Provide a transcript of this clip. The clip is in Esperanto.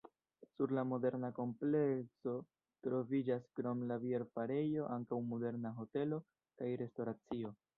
Sur la moderna komplekso troviĝas krom la bierfarejo ankaŭ moderna hotelo kaj restoracio.